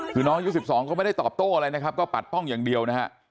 คือน้องยุค๑๒ก็ไม่ได้ตอบโต้อะไรนะครับก็ปัดป้องอย่างเดียวนะฮะ